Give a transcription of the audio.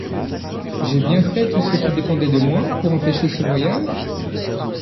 J’ai bien fait tout ce qui dépendait de moi pour empêcher ce voyage?